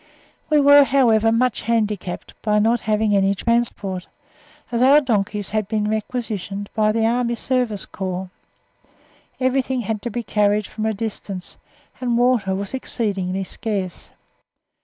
We were, however, much handicapped by not having any transport, as our donkeys had been requisitioned by the Army Service Corps. Everything had to be carried from a distance, and water was exceedingly scarce.